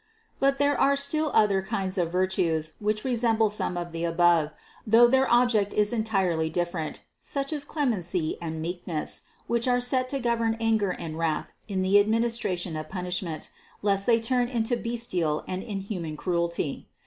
But there are still other kinds of virtues which resemble some of the above, though their object is en tirely different, such as clemency and meekness, which are set to govern anger and wrath in the administration of punishment, lest they turn into bestial and inhuman cruelty.